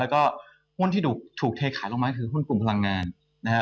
แล้วก็หุ้นที่ถูกเทขายลงมาคือหุ้นกลุ่มพลังงานนะฮะ